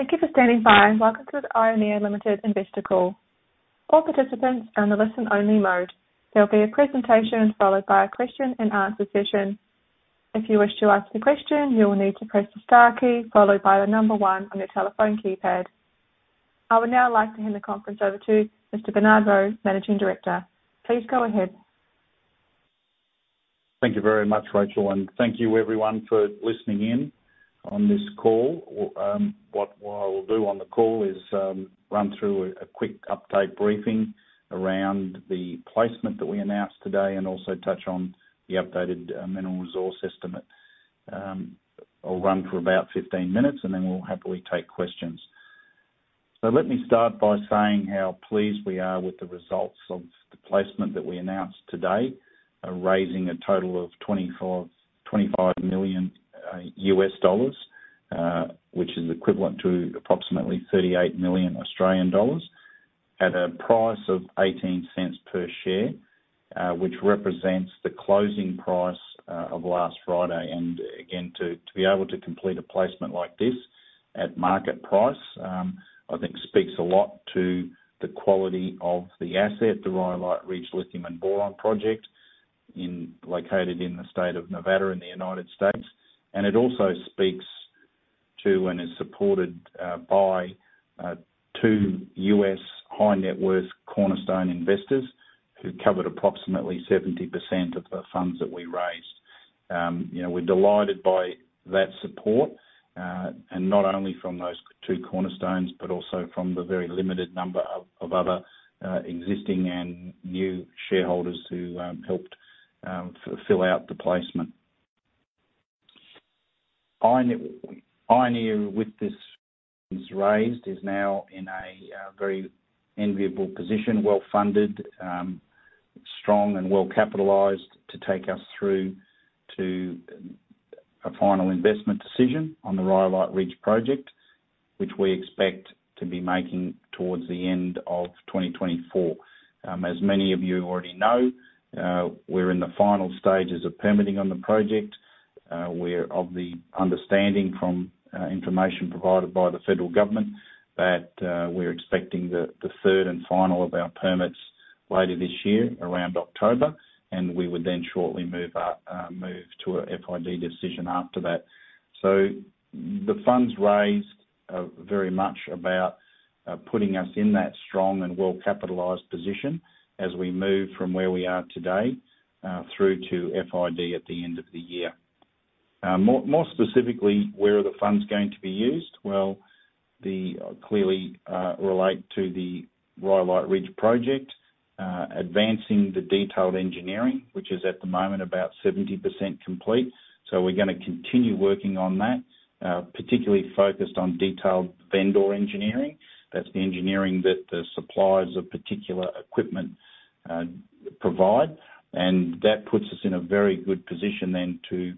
Thank you for standing by, and welcome to the Ioneer Ltd investor call. All participants are in the listen only mode. There will be a presentation followed by a question and answer session. If you wish to ask a question, you will need to press the star key followed by the number one on your telephone keypad. I would now like to hand the conference over to Mr. Bernard Rowe, Managing Director. Please go ahead. Thank you very much, Rachel, and thank you everyone for listening in on this call. What I will do on the call is run through a quick update briefing around the placement that we announced today, and also touch on the updated minimum resource estimate. I'll run for about 15 minutes, and then we'll happily take questions. So let me start by saying how pleased we are with the results of the placement that we announced today. Raising a total of $25 million, which is equivalent to approximately 38 million Australian dollars, at a price of 0.18 per share, which represents the closing price of last Friday. Again, to be able to complete a placement like this at market price, I think speaks a lot to the quality of the asset, the Rhyolite Ridge Lithium and Boron Project located in the state of Nevada in the United States. It also speaks to, and is supported, by two U.S. high net worth cornerstone investors, who covered approximately 70% of the funds that we raised. You know, we're delighted by that support, and not only from those two cornerstones, but also from the very limited number of other existing and new shareholders who helped fill out the placement. Ioneer with this raised is now in a very enviable position, well-funded, strong and well-capitalized to take us through to a final investment decision on the Rhyolite Ridge Project, which we expect to be making towards the end of 2024. As many of you already know, we're in the final stages of permitting on the project. We're of the understanding from information provided by the federal government that we're expecting the third and final of our permits later this year, around October. And we would then shortly move to a FID decision after that. So the funds raised are very much about putting us in that strong and well-capitalized position as we move from where we are today through to FID at the end of the year. More specifically, where are the funds going to be used? Well, they clearly relate to the Rhyolite Ridge Project, advancing the detailed engineering, which is at the moment about 70% complete. So we're gonna continue working on that, particularly focused on detailed vendor engineering. That's the engineering that the suppliers of particular equipment provide. And that puts us in a very good position then to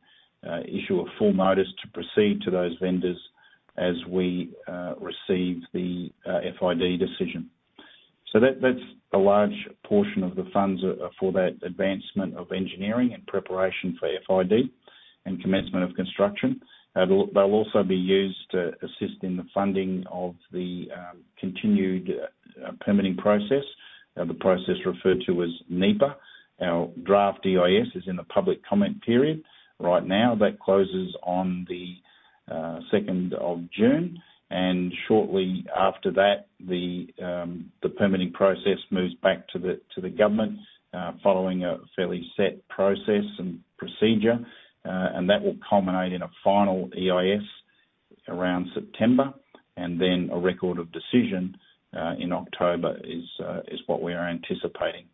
issue a full notice to proceed to those vendors as we receive the FID decision. So that, that's a large portion of the funds for that advancement of engineering and preparation for FID and commencement of construction. They'll also be used to assist in the funding of the continued permitting process, the process referred to as NEPA. Our draft EIS is in the public comment period right now. That closes on the second of June, and shortly after that, the permitting process moves back to the government, following a fairly set process and procedure. And that will culminate in a final EIS around September, and then a record of decision in October is what we are anticipating.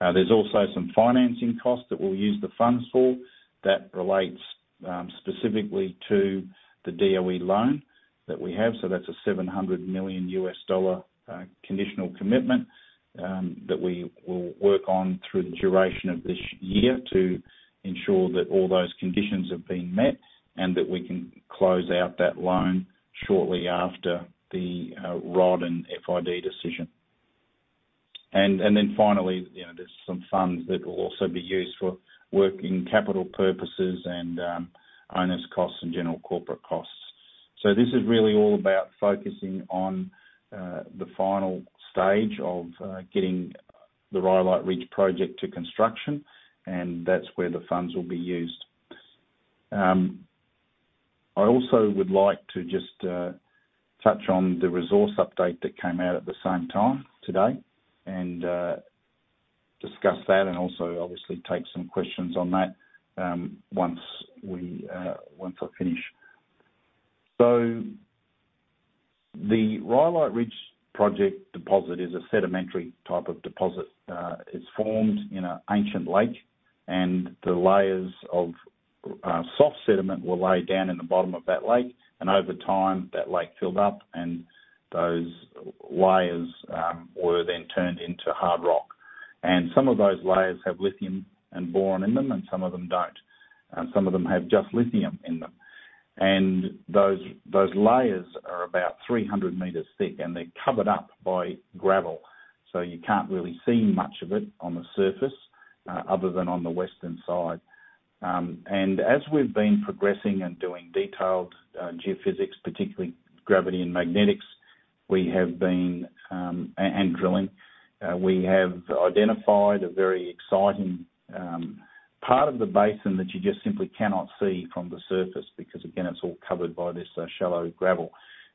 There's also some financing costs that we'll use the funds for. That relates specifically to the DOE loan that we have. So that's a $700 million conditional commitment that we will work on through the duration of this year to ensure that all those conditions have been met, and that we can close out that loan shortly after the ROD and FID decision. Then finally, you know, there's some funds that will also be used for working capital purposes and owners costs and general corporate costs. So this is really all about focusing on the final stage of getting the Rhyolite Ridge project to construction, and that's where the funds will be used. I also would like to just touch on the resource update that came out at the same time today, and discuss that, and also obviously take some questions on that, once I finish. So the Rhyolite Ridge Project deposit is a sedimentary type of deposit. It's formed in an ancient lake, and the layers of soft sediment were laid down in the bottom of that lake, and over time, that lake filled up, and those layers were then turned into hard rock. And some of those layers have lithium and boron in them, and some of them don't, and some of them have just lithium in them. And those, those layers are about 300 meters thick, and they're covered up by gravel. So you can't really see much of it on the surface, other than on the western side. And as we've been progressing and doing detailed geophysics, particularly gravity and magnetics, we have been and drilling, we have identified a very exciting part of the basin that you just simply cannot see from the surface, because, again, it's all covered by this shallow gravel.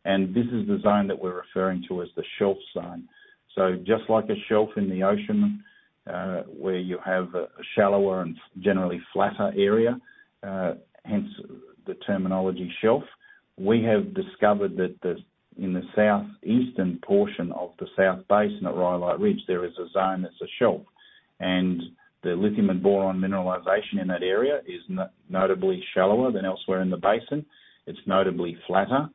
And this is the zone that we're referring to as the Shelf Zone. So just like a shelf in the ocean, where you have a shallower and generally flatter area, hence the terminology shelf, we have discovered that in the southeastern portion of the South Basin at Rhyolite Ridge, there is a zone that's a shelf. The lithium and boron mineralization in that area is notably shallower than elsewhere in the basin. It's notably flatter.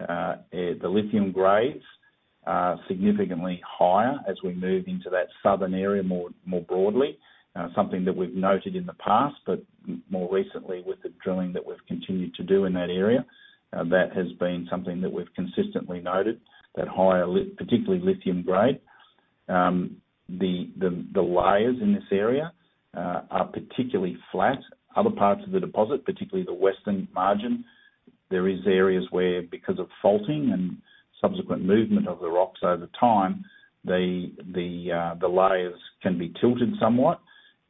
The lithium grades are significantly higher as we move into that southern area more broadly. Something that we've noted in the past, but more recently with the drilling that we've continued to do in that area, that has been something that we've consistently noted, that higher particularly lithium grade. The layers in this area are particularly flat. Other parts of the deposit, particularly the western margin, there is areas where, because of faulting and subsequent movement of the rocks over time, the layers can be tilted somewhat,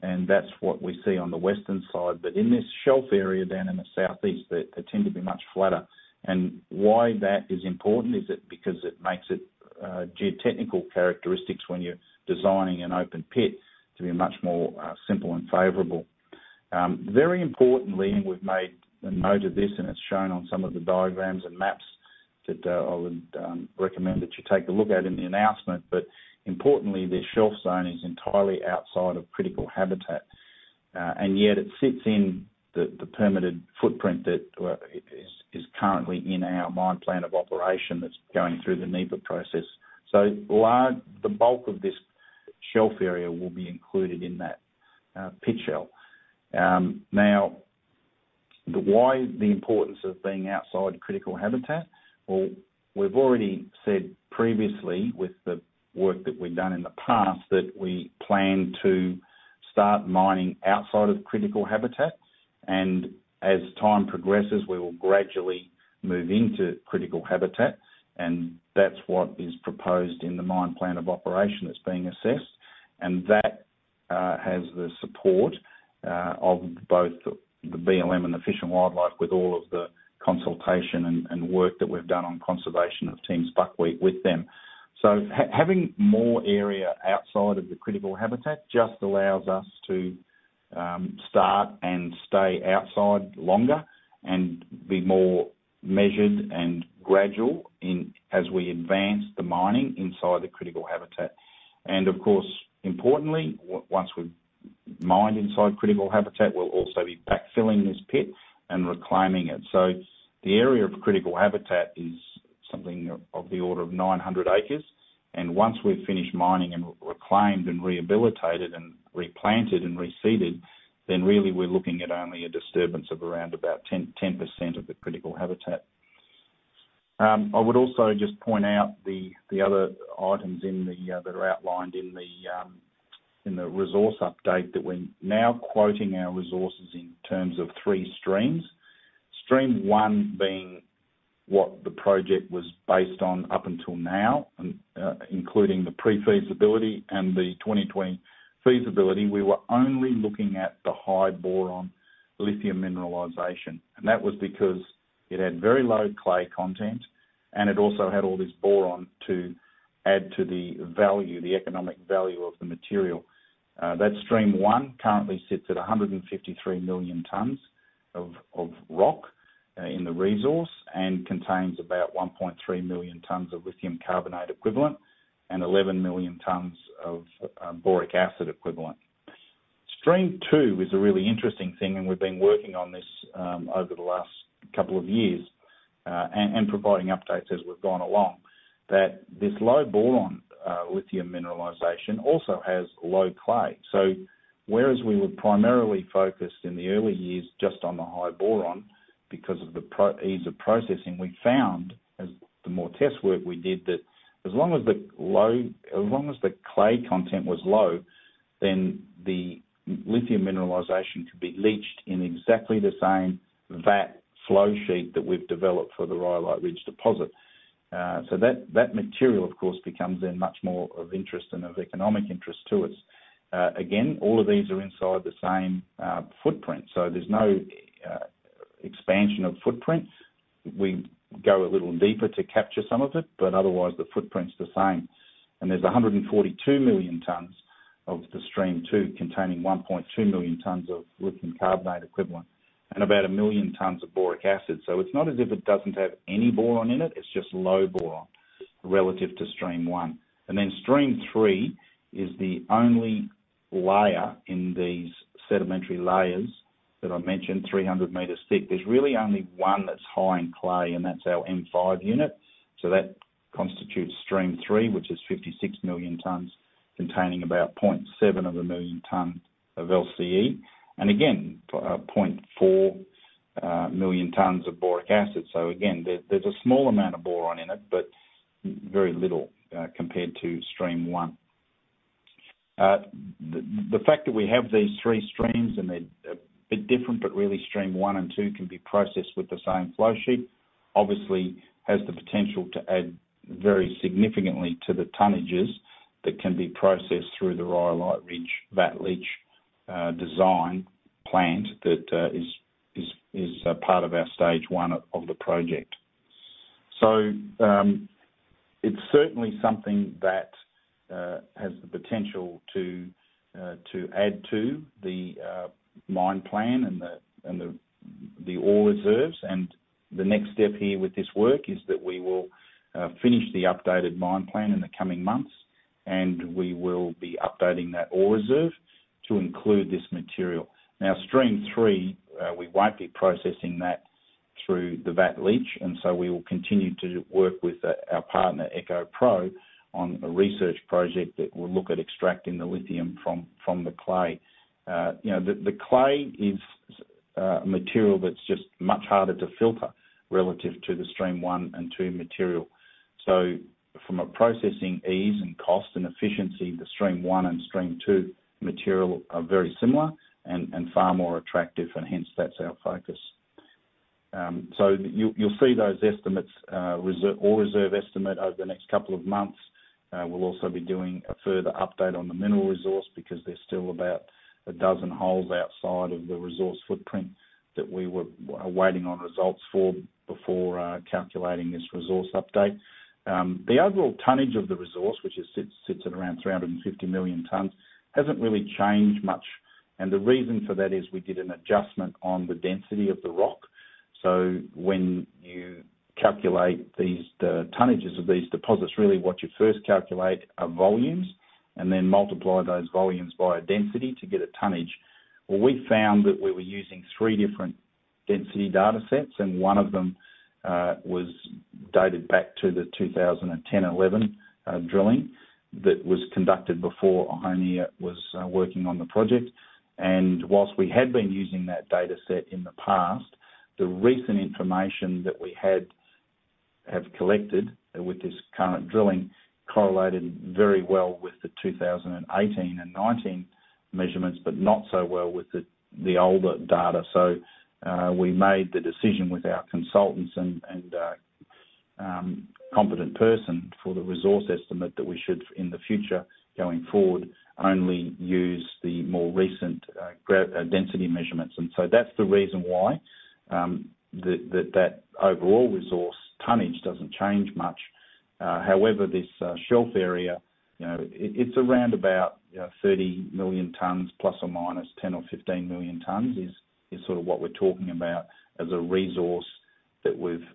and that's what we see on the western side. But in this shelf area, down in the southeast, they tend to be much flatter. And why that is important is it, because it makes it, geotechnical characteristics when you're designing an open pit to be much more, simple and favorable. Very importantly, and we've made a note of this, and it's shown on some of the diagrams and maps that I would recommend that you take a look at in the announcement, but importantly, this Shelf Zone is entirely outside of critical habitat. And yet it sits in the permitted footprint that is currently in our mine plan of operation that's going through the NEPA process. So, the bulk of this shelf area will be included in that pit shell. Now, why the importance of being outside critical habitat? Well, we've already said previously with the work that we've done in the past, that we plan to start mining outside of critical habitat, and as time progresses, we will gradually move into critical habitat, and that's what is proposed in the mine plan of operation that's being assessed. And that has the support of both the BLM and the Fish and Wildlife with all of the consultation and work that we've done on conservation of Tiehm's buckwheat with them. So having more area outside of the critical habitat just allows us to start and stay outside longer and be more measured and gradual in, as we advance the mining inside the critical habitat. And of course, importantly, once we mine inside critical habitat, we'll also be backfilling this pit and reclaiming it. So the area of critical habitat is something of the order of 900 acres, and once we've finished mining and reclaimed and rehabilitated and replanted and reseeded, then really we're looking at only a disturbance of around about 10, 10% of the critical habitat. I would also just point out the other items that are outlined in the resource update, that we're now quoting our resources in terms of three streams. Stream one being what the project was based on up until now, including the pre-feasibility and the 2020 feasibility. We were only looking at the high boron lithium mineralization, and that was because it had very low clay content, and it also had all this boron to add to the value, the economic value of the material. That stream one currently sits at 153 million tons of rock in the resource, and contains about 1.3 million tons of lithium carbonate equivalent and 11 million tons of boric acid equivalent. Stream two is a really interesting thing, and we've been working on this over the last couple of years, and providing updates as we've gone along. That this low boron lithium mineralization also has low clay. So whereas we were primarily focused in the early years just on the high boron because of the ease of processing, we found, as the more test work we did, that as long as the clay content was low, then the lithium mineralization could be leached in exactly the same vat flow sheet that we've developed for the Rhyolite Ridge deposit. So that material, of course, becomes then much more of interest and of economic interest to us. Again, all of these are inside the same footprint, so there's no expansion of footprints. We go a little deeper to capture some of it, but otherwise, the footprint's the same. There's 142 million tons of the stream two, containing 1.2 million tons of lithium carbonate equivalent, and about 1 million tons of boric acid. So it's not as if it doesn't have any boron in it, it's just low boron relative to stream one. Then stream three is the only layer in these sedimentary layers that I mentioned, 300 meters thick. There's really only one that's high in clay, and that's our M5 unit. So that constitutes stream three, which is 56 million tons, containing about 0.7 of a million ton of LCE, and again, 0.4 million tons of boric acid. So again, there's a small amount of boron in it, but very little compared to stream one. The fact that we have these three streams, and they're a bit different, but really stream one and two can be processed with the same flow sheet, obviously has the potential to add very significantly to the tonnages that can be processed through the Rhyolite Ridge vat leach design plant that is a part of our stage one of the project. So, it's certainly something that has the potential to add to the mine plan and the ore reserves. And the next step here with this work is that we will finish the updated mine plan in the coming months, and we will be updating that ore reserve to include this material. Now, stream three, we won't be processing that through the vat leach, and so we will continue to work with our partner, EcoPro, on a research project that will look at extracting the lithium from the clay. You know, the clay is material that's just much harder to filter relative to the stream one and two material. So from a processing ease and cost and efficiency, the stream one and stream two material are very similar and far more attractive, and hence, that's our focus. So you'll see those estimates, ore reserve estimate over the next couple of months. We'll also be doing a further update on the mineral resource because there's still about a dozen holes outside of the resource footprint that we were waiting on results for before calculating this resource update. The overall tonnage of the resource, which sits at around 350 million tons, hasn't really changed much, and the reason for that is we did an adjustment on the density of the rock. So when you calculate these, the tonnages of these deposits, really what you first calculate are volumes and then multiply those volumes by a density to get a tonnage. What we found that we were using three different density data sets, and one of them was dated back to the 2010 and 2011 drilling that was conducted before Ioneer was working on the project. While we had been using that data set in the past, the recent information that we have collected with this current drilling correlated very well with the 2018 and 2019 measurements, but not so well with the older data. So, we made the decision with our consultants and competent person for the resource estimate that we should, in the future, going forward, only use the more recent gravity density measurements. So that's the reason why that overall resource tonnage doesn't change much. However, this shelf area, you know, it's around about 30 million tons ±10 or 15 million tons is sort of what we're talking about as a resource that we've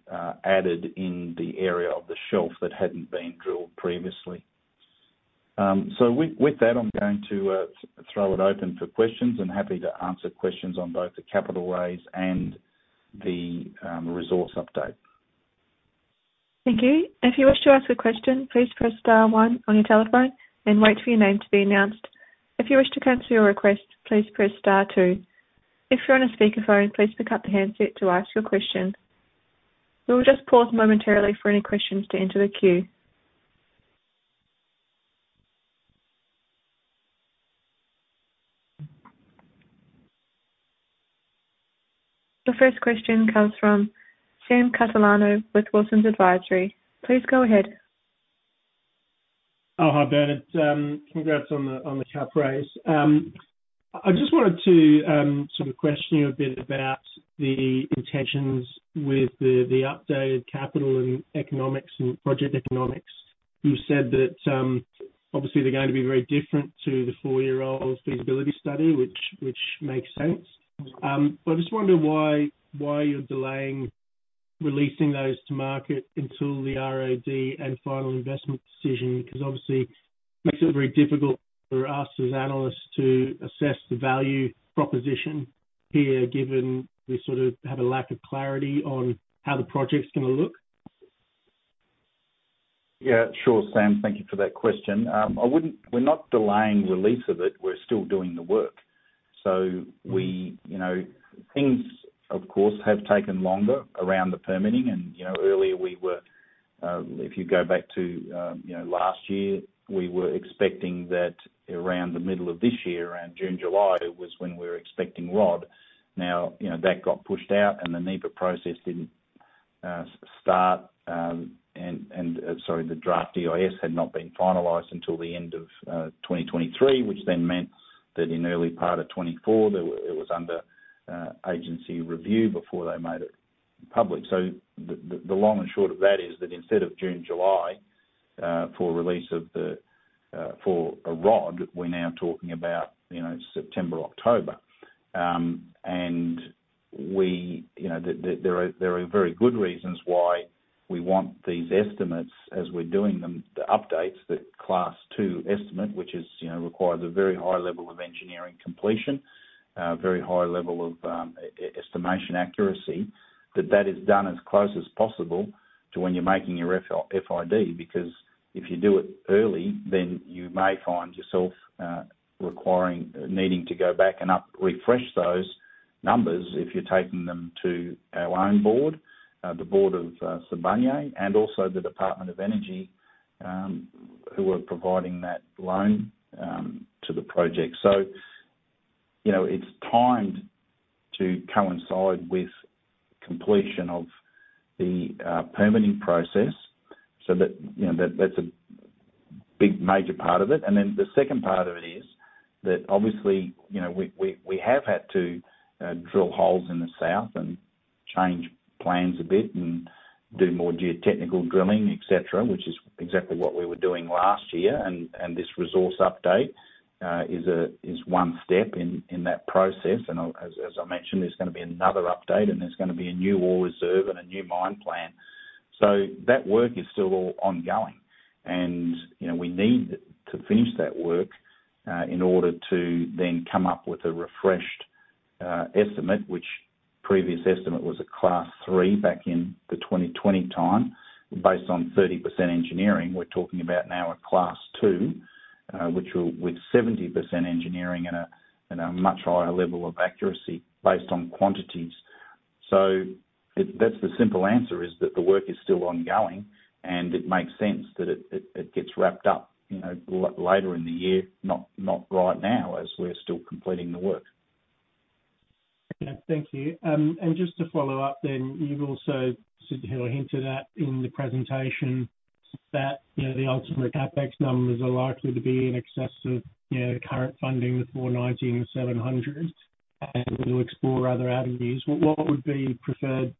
added in the area of the shelf that hadn't been drilled previously. So with that, I'm going to throw it open for questions. I'm happy to answer questions on both the capital raise and the resource update. Thank you. If you wish to ask a question, please press star one on your telephone and wait for your name to be announced. If you wish to cancel your request, please press star two. If you're on a speakerphone, please pick up the handset to ask your question. We will just pause momentarily for any questions to enter the queue. The first question comes from Sam Catalano with Wilsons Advisory. Please go ahead. Oh, hi, Bernard. Congrats on the cap raise. I just wanted to sort of question you a bit about the intentions with the updated capital and economics and project economics. You said that obviously they're going to be very different to the four-year-old feasibility study, which makes sense. But I just wonder why you're delaying releasing those to market until the ROD and final investment decision, because obviously it makes it very difficult for us as analysts to assess the value proposition here, given we sort of have a lack of clarity on how the project's gonna look? Yeah, sure, Sam. Thank you for that question. I wouldn't—we're not delaying release of it. We're still doing the work. So we, you know, things, of course, have taken longer around the permitting and, you know, earlier we were, if you go back to, you know, last year, we were expecting that around the middle of this year, around June, July, was when we were expecting ROD. Now, you know, that got pushed out, and the NEPA process didn't start, and, and—Sorry, the draft EIS had not been finalized until the end of 2023, which then meant that in early part of 2024, it was under agency review before they made it public. So the long and short of that is that instead of June, July, for release of the, for a ROD, we're now talking about, you know, September, October. And we, you know, there are very good reasons why we want these estimates as we're doing them, the updates, the class two estimate, which is, you know, requires a very high level of engineering completion, a very high level of estimation accuracy, that that is done as close as possible to when you're making your FID. Because if you do it early, then you may find yourself, requiring, needing to go back and up, refresh those-... numbers, if you're taking them to our own board, the board of Sibanye, and also the Department of Energy, who are providing that loan to the project. So, you know, it's timed to coincide with completion of the permitting process so that, you know, that, that's a big major part of it. And then the second part of it is that, obviously, you know, we have had to drill holes in the south and change plans a bit and do more geotechnical drilling, et cetera, which is exactly what we were doing last year. And this resource update is one step in that process. And I'll, as I mentioned, there's gonna be another update, and there's gonna be a new ore reserve and a new mine plan. So that work is still all ongoing. You know, we need to finish that work in order to then come up with a refreshed estimate, which previous estimate was a Class Three back in the 2020 time. Based on 30% engineering, we're talking about now a Class Two, which will with 70% engineering and a much higher level of accuracy based on quantities. So that's the simple answer, is that the work is still ongoing, and it makes sense that it gets wrapped up, you know, later in the year, not right now, as we're still completing the work. Yeah. Thank you. And just to follow up then, you've also seemed to hint to that in the presentation, that, you know, the ultimate CapEx numbers are likely to be in excess of, you know, current funding with $490 and $700, and we'll explore other avenues. What would be preferred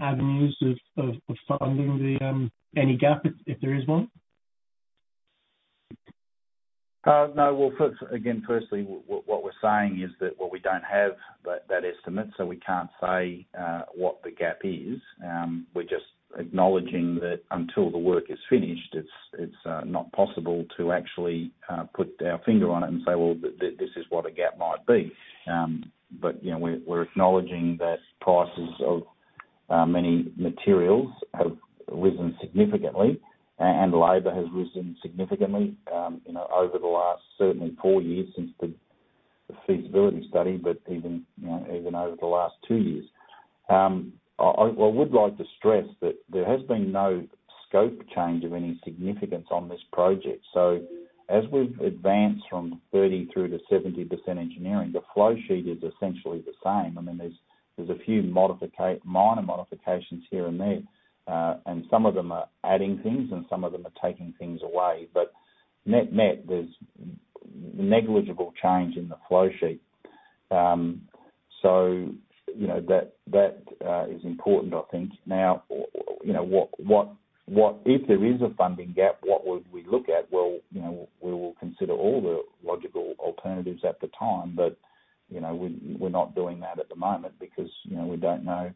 avenues of funding any gap, if there is one? No. Well, first, what we're saying is that, well, we don't have that estimate, so we can't say what the gap is. We're just acknowledging that until the work is finished, it's not possible to actually put our finger on it and say, "Well, this is what a gap might be." But, you know, we're acknowledging that prices of many materials have risen significantly, and labor has risen significantly, you know, over the last certainly four years since the feasibility study, but even, you know, even over the last two years. Well, I would like to stress that there has been no scope change of any significance on this project. So as we've advanced from 30% through to 70% engineering, the flow sheet is essentially the same. I mean, there's, there's a few minor modifications here and there, and some of them are adding things, and some of them are taking things away. But net, net, there's negligible change in the flow sheet. So you know, that, that is important, I think. Now, you know, what... If there is a funding gap, what would we look at? Well, you know, we will consider all the logical alternatives at the time, but, you know, we're, we're not doing that at the moment because, you know, we don't know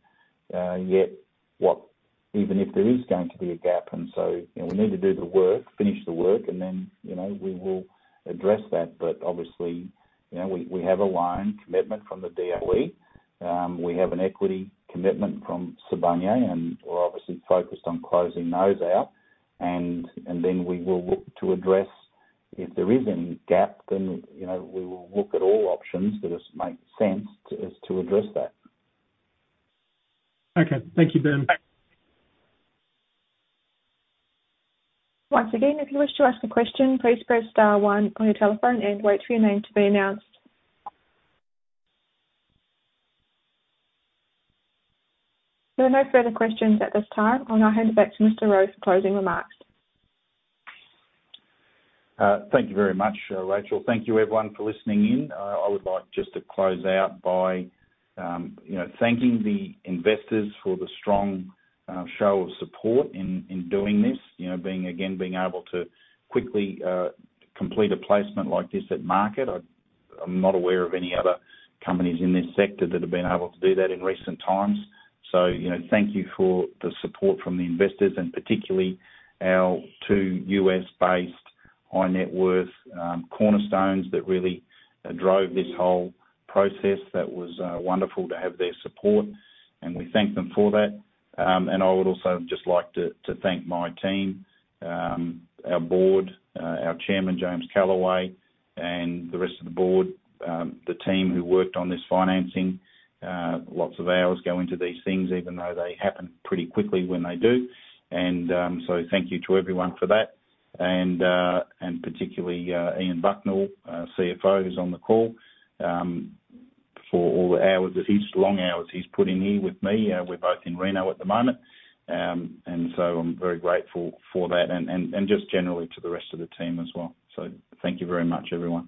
yet, what-- even if there is going to be a gap. And so, you know, we need to do the work, finish the work, and then, you know, we will address that. But obviously, you know, we, we have a loan commitment from the DOE. We have an equity commitment from Sibanye, and we're obviously focused on closing those out. And then we will look to address if there is any gap, then, you know, we will look at all options that just make sense to us to address that. Okay. Thank you, Ben. Once again, if you wish to ask a question, please press star one on your telephone and wait for your name to be announced. There are no further questions at this time. I'll now hand it back to Mr. Rowe for closing remarks. Thank you very much, Rachel. Thank you, everyone, for listening in. I would like just to close out by, you know, thanking the investors for the strong show of support in doing this. You know, being, again, able to quickly complete a placement like this at market. I'm not aware of any other companies in this sector that have been able to do that in recent times. So, you know, thank you for the support from the investors, and particularly our two U.S.-based high net worth cornerstones that really drove this whole process. That was wonderful to have their support, and we thank them for that. And I would also just like to thank my team, our board, our chairman, James D. Calaway, and the rest of the board, the team who worked on this financing. Lots of hours go into these things, even though they happen pretty quickly when they do. So thank you to everyone for that. And particularly, Ian Bucknell, our CFO, who's on the call, for all the long hours he's put in here with me. We're both in Reno at the moment. And so I'm very grateful for that and just generally to the rest of the team as well. So thank you very much, everyone.